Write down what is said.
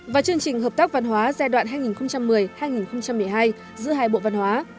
và chương trình hợp tác văn hóa giai đoạn hai nghìn một mươi hai nghìn một mươi hai giữa hai bộ văn hóa